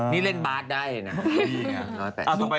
นี่เล่นบาสได้นะ